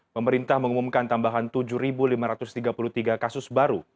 pemerintah mengumumkan tambahan tujuh lima ratus tiga puluh tiga kasus baru